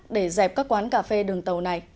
để dẹp các quán cà phê đường tàu này